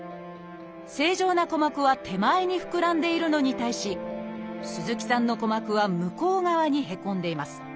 正常な鼓膜は手前に膨らんでいるのに対し鈴木さんの鼓膜は向こう側にへこんでいます。